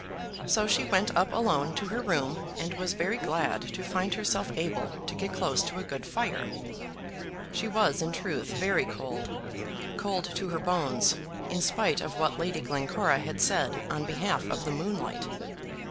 So she went up alone to her room, and was very glad to find herself able to get close to a good fire. She was, in truth, very cold cold to her bones, in spite of what Lady Glencora had said on behalf of the moonlight.